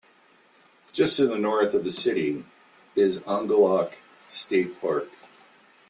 Just to the north of the city is Algonac State Park.